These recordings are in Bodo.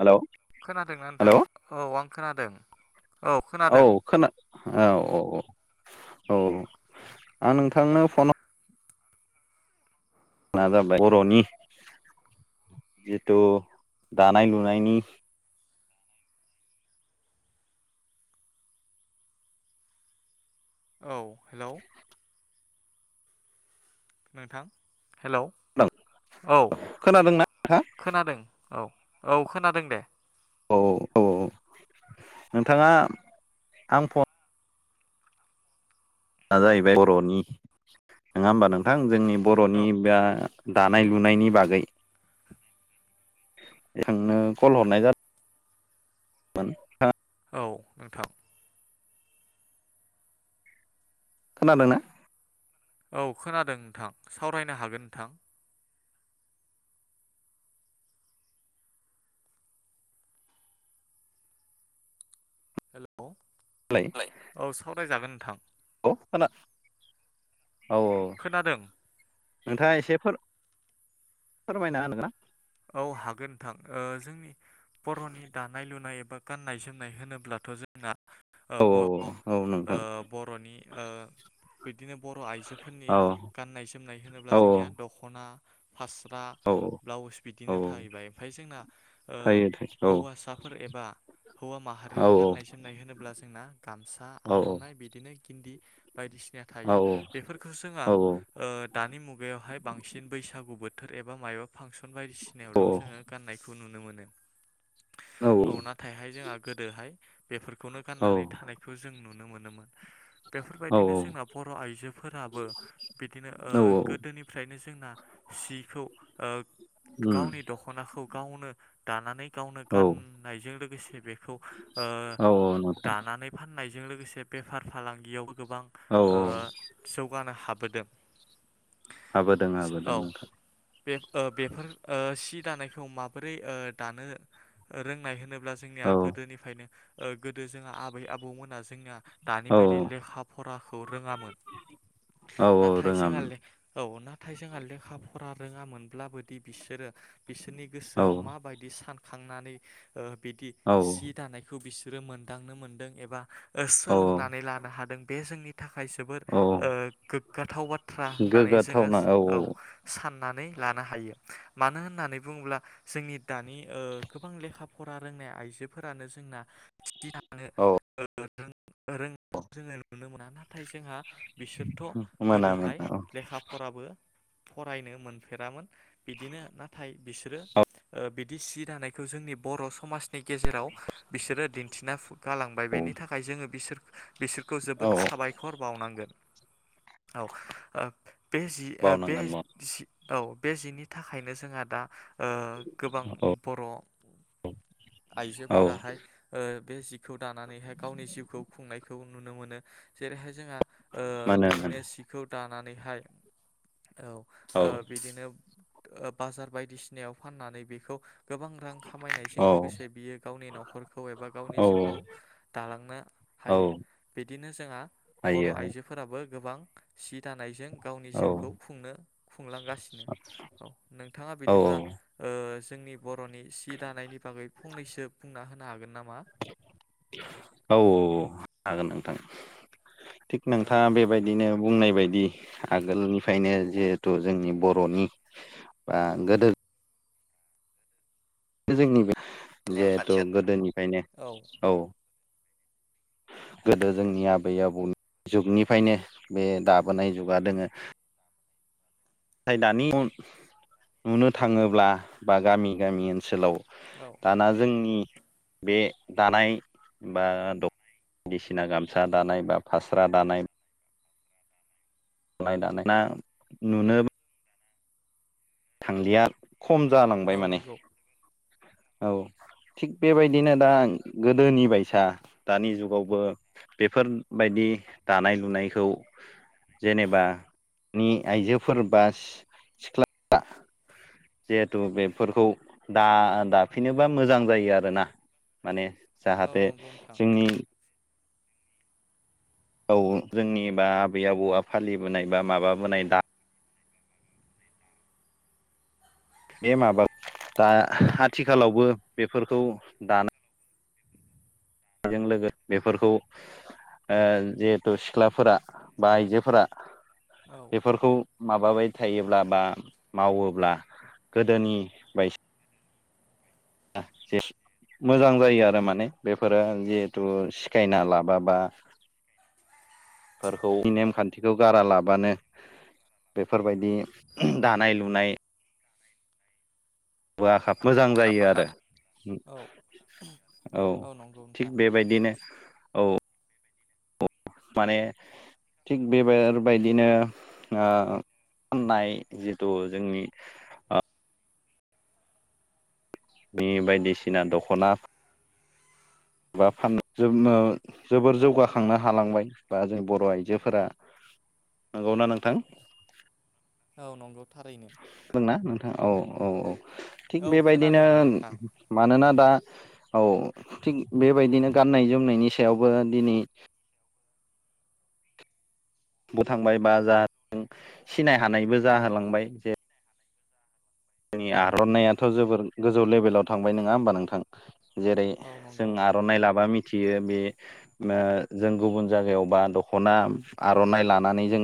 हेलौ खोनादों नोंथां हेलौ औ आं खोनादों। औ खोना औ औ औ औ आं नोंथांनो फन नाजाबबाय बर'नि जिथु दानाय लुनायनि औ हेलौ नोंथां। हेल'औ खोनादोंना नोंथां खोनादों औ औ खोनादों दे औ औ औ नोंथाङा आं फन दा जाहैबाय बर'नि नङा होमबा नोंथां जोंनि बर'नि औ बा औ दानाय लुनायनि बागै नोंथांनो कल हरनाय जादों [unintelligible] औ नोंथां। खोनादोंना? औ खोनादों नोंथां सावरायनो हागोन नोंथां। दालाय औ सावरायजागोन नोंथां। औ औ खोनादों नोंथाङा एसेफोर फोरमायना होनो हागोनना। औ हागोन नोंथां जोंनि बर'नि दानाय लुनाय एबा बा गाननाय जोमनाय होनोब्लाथ' जोंना औ बर' ओ औ नोंथां बर'नि बिदिनो बर' आइजोफोरनि औ गाननाय जोमनाय होनोब्ला औ जोंनिया दख'ना फास्रा औ ब्लाउस बिदिनो औ थाहैबाय ओमफाय जोंना ओ थायो थायो हौवासाफोर एबा हौवा औ माहारिनि गाननाय जोमनाय होनोब्लासो जोंना गामसा औ आर'नाइ बिदिनो गिन्दि बायदिसिना औ थायो बेफोरखौ जोंहा औ दानि मुगायावहाय बांसिन बैसागु बो बोथोर एबा मायबा फांसन औ बायदिसिनायावल' जोङो गान्नायखौ नुनो मोनो। औ नाथायहाय जोंहा गोदोहाय बेफोरखौनो गाननानै थानायखौ जों नुनो मोनो। मोनोमोन औ बेफोरबायदिनो जोंना बर' आइजोफोराबो बिदिनो औ औ गोदोनिफ्रायनो ज जोंना सिखौ उम गावनि दख'नाखौ गावनो दानानै गावनो औ गाननायजों लोगोसे बेखौ औ औ नोंथां दानानै फाननाय बेजों लोगोसे बेफार फालांगियावबो गोबां औ औ जौगानो हाबोदों। हाबोदों हाबोदों औ नोंथां। बे बेफोर सि दानायखौ माबोरै दानो रोंनाय होनो जोंनिया औ गोदोनिफ्रायनो ओ गोदो जोंहा आबै आबौमोना जोंना दानि औ बायदि लेखा फराखौ रोङामोन। औ औ नाथाय जोंहा रोङामोन लेखा औ ना थाय जोंहा लेखा फरा रोङामोनब्लाबोदि बिसोरो बिसोरनि औ गोसोआव माबायदि सान खांनानै बिदि औ सि दानायखौ बिसोरो मोनदांनो मोनदों एबा ओ औ सोलोंनानै लानो हादों बे जोंनि थाखाय जोबोर औ गोग्गाथाव बाथ्रा होननानै जोङो औ स नानै लानो हायो। मानो होननानै बुङोब्ला जोंनि दानि गोबां लेखा फरा रोंनाय आइजोफोरानो जों जोंना दिन्थिलांनो औ रोंनायखौ जोङो नुनो मोना। नाथाय जोंहा बिसोरथ' मोना गोदोहाय मोना औ लेखा फराबो फरायनो मोनफेरामोन। बिदिनो नाथाय बिसोरो बिदि सि दानायखौ जोंनि बर' समाजनि गेजेराव बिसोरो दिन्थिना गालांबाय औ बेनि थाखाय जोङो बिसोर बिसोर खौ औ जोबोद साबायखर बावनांगोन। औ औ बे जि ओ बे बावनांगोन जि औ बे जिनि थाखायनो जोंहा दा गोबां औ बर' औ आइजोफोराहाय बे जिखौ दानानैहाय गावनि जिउखौ खुंनायखौ नुनो मोनो। जेरैहाय जोंहा मोनो बिदिनो मोनो सिखौ दानानैहाय औ बिदिनो बाजार बायदिसिनायाव फाननानै बेखौ गोबां रां खामायनायजों औ लोगोसे जे बियो गावनि न'खरखौ एबा गावनि औ जिउखौ दालांनो औ हायो। बिदिनो जोंहा बर' हायो आइजोफोराबो गोबां सि दानायजों गावनि औ जिउखौ खुंनो खुंलांगासिनो। औ नोंथाङा औ बिदिब्ला ओ जोंनि बर'नि सि दानायनि बागै फंनैसो बुंना होनो हागोन ना? औ औ औ हागोन नोंथां। थिग औ नोंथाङा बेबायदिनो बुंनाय बायदि आगोलनिफ्रायनो जिहेथु जोंनि बर'नि बा गोदो जोंनि जिहेथु नेमखान्थिया गोदोनिफ्रायनो औ गोदो जोंनि आबै आबौनि जुगनिफ्रायनो बे दाबोनाय जुगा दोङो। नाथाय दानि नुनो थाङोब्ला बा गामि गामि ओनसोलाव औ दाना जोंनि बे दानाय बा दख'ना बायदिसिना गामसा दानाय बा फास्रा दानाय लुनाय दानाय ना नुनो थांलिया खम जालांबाय औ माने। नंगौ औ थिग बेबायदिनो दा गोदोनि बायसा दानि जुगावबो बेफोरबायदि दानाय लुनायखौ जेनेबा नि आइजोफोर बा सि- सिख्लाफ्रा जिहेथु बेफोरखौ दा- दा फिनोबा मोजां जायो आरोना माने औ जाहाथे नंगौ नोंथां जोंनि औ जोंनि बा आबै आबौआ फालिबोनाय बा माबाबोनाय दा बे माबा दा आथिखालावबो बेफोरखौ दानाय बेजों लोगो बेफोरखौ ओ जिहेथु सिख्लाफोरा बा आइजोफोरा औ बेफोरखौ माबाबाय फोथायायोब्ला बा मावोब्ला गोदोनि बाय [unintelligible] मोजां जायो आरो माने बेफोरो जिहेथु सिखायना लाबाबा फोरखौ नेमखान्थिखौ गारा लाबानो बेफोरबायदि दानाय लुनाय गुवा खा मोजां आखा जायो फाखा आरो औ औ नंगौ थिग नोंथां बेबायदिनो औ माने थिग बेबायदिनो ओ फाननाय जिथु जोंनि आ बे बायदिसिना दख'ना बा फान जोमनो औ जोबोर जौगाखांनो हालांबाय बा जों बर' आइजोफोरा नंगौना नोंथां औ नंगौ। थारैनो बुंना नोंथां औ औ औ थिग औ बेबायदिनो खोनादों नोंथां मानोना दा औ थिग बेबायदिनो गाननाय जोमनायनि सायावबो दिनै बु थांबाय बा जा सिनाय हानायबो औ जाहोलांबाय जे जोंनि औ आर'नायाथ' जोबोर गोजौ लेभेलाव थांबाय नङा होमबा नोंथां। जेरै औ जों नंगौ आर'नाइ लाबा मिथ मिथियो बे ओ जों गुबुन जायगायावबा दख'ना आर'नाइ लानानै जों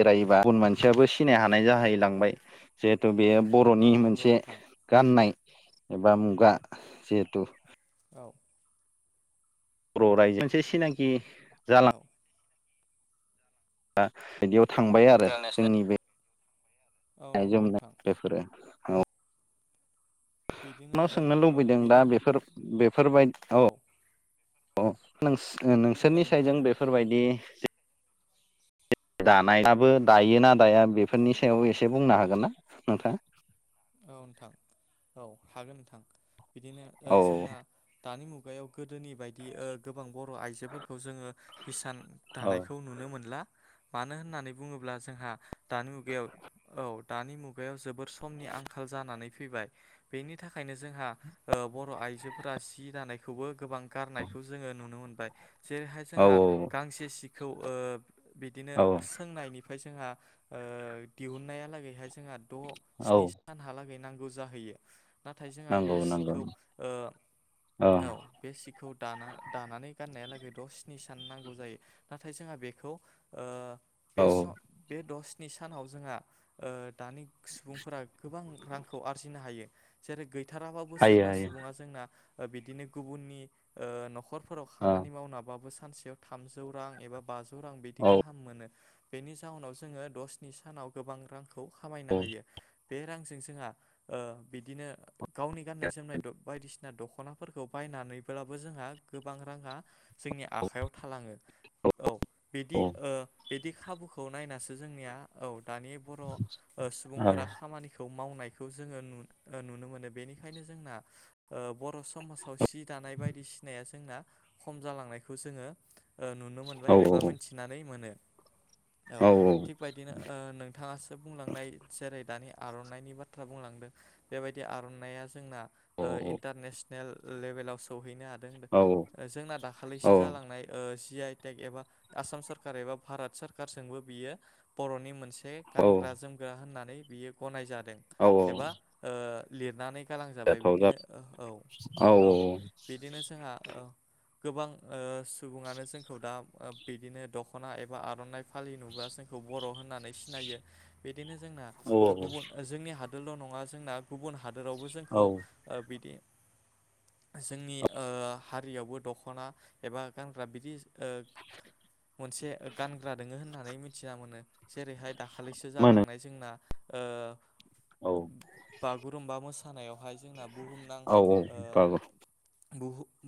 बेरायोबा गुबुन मानसियाबो सिनाय हानाय जाहैलांबाय जिहेथु बेयो औ बर'नि नंगौ मोनसे नोंथां गाननाय एबा मुगा जिहेथु [inaudible] बर' रायजो मोनसे सिनाखि औ। दा थांबाय आरो जोंनि बे औ गाननाय नंगौ नोंथां जोमनायफोर औ। बिदिनो नोंनाव सोंनो औ लुबैदों दा बिदिनो बेफोर बेफोरबाय औ औ नों नोंसोरनि बुंलाय नोंथां साइदजों बेफोरबायदि दानायाबो दायो ना दाया औ बेफोरनि औ सायाव एसे बुंनो हागोन ना नोंथाङा। औ नोंथां औ हागोन नोंथां बिदिनो औ जोंना दानि मुगायाव गोदोनि बायदि ओ गोबां बर' आइजोफोरखौ जोङो हिसान औ दानायखौ नुनो मोनला मानो होननानै बुङोब्ला जोंहा दानि मुगायाव औ दानि मुगायाव जोबोर समनि आंखाल आंखाल जानानै फैबाय बेनि थाखायनो जोंहा ओ बर' आइजोफोरा सि दानायखौबो गोबां गारनायखौ जोङो नुनो मोनबाय। जेरैहाय औ जोंहा गांसे सिखौ ओ बिदिनो औ सोंनायनिफ्राय जोंहा दिहुननायालागैहाय जोंहा द' औ स्नि नि हहालागै नांगौ जाहैयो नाथाय जोंहा बे नंगौ नंगौ सिखौ ओ औ बे सिखौ दाना दानानै गाननायालागै द' स्नि स जायो नाथाय जोंहा बेखौ औ ओ बे द नि सानाव जोंहा ओ दानि सुबुंफोरा गोबां रांखौ आरजिनो हायो जेरै गैथाराबाबो हायो सोरबा हायो सुबुङा जोंना बिदिनो गुबुननि ओ न'खरफोराव औ खामानि मावनाबाबो स सानसेयाव थामजौ रां एबा बाजौ रां बिदि औ गाहाम मोनो। बेनि जाहोनाव जोङो दसनि सानाव गोबां रांखौ खामायनो औ हायो। बे रांजों जोंहा ओ बिदिनो गावनि गाननाय जोमनाय बायदिसिना दख'नाफोरखौ बाय नानै फानानैब्लाबो जोंहा गोबां राङा जोंनि आखायाव थालाङो। औ बिदि औ ओ बिदि खाबुखौ नायनासो जोंनिया औ। दानि बर' सुबुंफोरा खामानिखौ मावनायखौ जोङो नुनो मोनो। बेनिखायनो जोंना ओ बर' समा जाव सि दानाय बायदिसिनाया जोंना खम जालांनायखौ जोङो नुनो मोनबाय औ एबा मिथिनानै मोनो। औ थिग बदिनो ओ नोंथाङासो बुंलांनाय जेरै दानि आर'नाइनि बाथ्रा बुंलांदों बेबायदि आर'नाइया जोंना ओ इन्टारनेसन नेल लेभेलाव सौहैनो हादों। जोंना दाखालिसो जालांनाय ओ जि आइ टेक एबा आसाम सरखार एबा भारत सरखारजोंबो बियो बर'नि मोनसे औ गानग्रा जोमग्रा होननानै बियो गनाय जादों औ एबा ओ लिरनानै गालांजाबाय। जाथाव जा बिदिनो औ औ बिदिनो जोंहा गोबां ओ सुबुङानो जोंखौ दा बिदिनो दख'ना एबा आर'नाइ फालि नुबा जोंखौ बर' होननानै सिनायो बिदिनो जोंना औ गुबुन जोंनि हादोरल' नङा जोंना गुबुन हादोरावबो औ जोंखौ बिदि जोंनि ओ हारियावबो दख'ना एबा गानग्रा बिदि ओ मोनसे गानग्रा दोङो होननानै मिथिना मोनो जेरैहाय दाखालिसो मा होनो जालांनाय जोंना ओ औ बागुरुमबा मोसानायावहाय जोंना बुहुमनां औ औ ओ बाबु।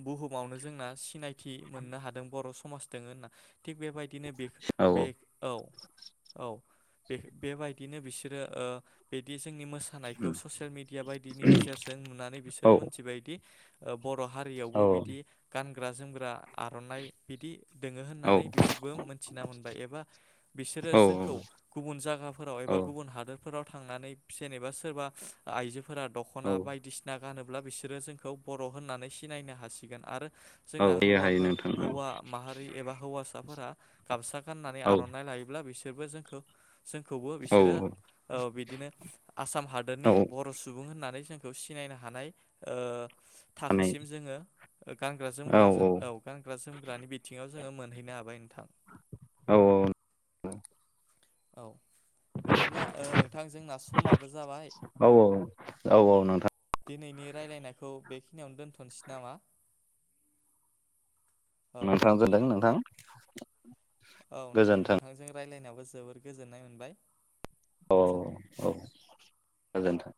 बुहुमावनो जोंना सिनायथि मोननो हादों बर' समाज दं होनना थिग बेबायदि बिदिनो बि औ बे औ औ बे-बे बेबायदिनो बि सोरो ओ बिदि जोंनि मोसानायखौ ससेयेल मिदिया बायदिनि गेजेरजों नुनानै बिसोर औ मोनथिबायदि बर' औ हारियावबो बिदि गानग्रा जोमग्रा आर'नाइ बिदि दोङो होननानै बिसोरबो मोनथिना मोनबाय एबा बिसोरो जोंखौ गुबुन जायगाफोराव एबा औ गुबुन हादोरफोराव थांनानै जेनेबा सोरबा आइजोफोरा औ दख'ना बायदिसिना गानोब्ला बिसोरो जोंखौ बर' होननानै सिनायनो हासिगोन। आरो जोंना हायो हायो हौवाफोर नोंथां हौवामाहारि एबा हौवासाफोरा गामसा गाननानै औ आर'नाइ लायोब्ला बिसोरबो जोंखौ जोंखौ औ बिसोरो औ बिदिनो आसाम हादोरनि औ बर' सुबुं होननानै जोंखौ सिनायनो हानाय ओ माने थाखोसिम जोङो गानग्रा जोमग्रा औ गानग्रा जोम ग्रानि बिथिङाव जोङो मोनहैनो हाबाय नोंथां। औ औ औ। औ बिदिब्ला ओ नोंथां जोंना समाबो जाबाय औ औ औ नोंथां। दिनैनि रायलायनायखौ बेखिनियावनो दोन्थ'नोसै नामा? औ नोंथां जादों नोंथां? औ नोंथां गोजोन्थों नोंथांजों रायलायनायावबो जोबोर गोजोननाय मोनबाय। औ गोजोन्थों औ गोजोनथों।